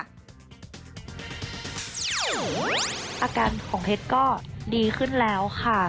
อาการของเพชรก็ดีขึ้นแล้วค่ะ